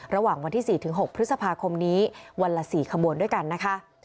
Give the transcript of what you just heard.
ระหว่างวันที่๔๖พฤษภาคมนี้วันละ๔ค่ะ